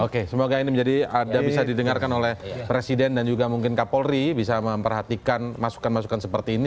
oke semoga ini menjadi ada bisa didengarkan oleh presiden dan juga mungkin kapolri bisa memperhatikan masukan masukan seperti ini